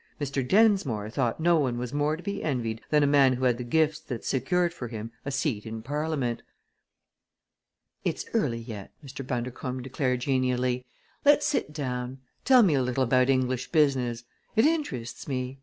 Mr. Densmore thought no one was more to be envied than a man who had the gifts that secured for him a seat in Parliament. "It's early yet," Mr. Bundercombe declared genially. "Let's sit down. Tell me a little about English business. It interests me.